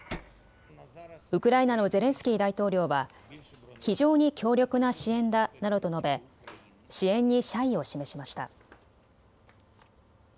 ウクライナのゼレンスキー大統領は非常に強力な支援だなどと述べ支援に謝意を示しました。